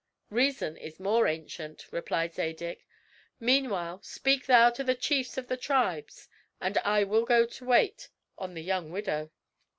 "Reason is more ancient," replied Zadig; "meanwhile, speak thou to the chiefs of the tribes and I will go to wait on the young widow."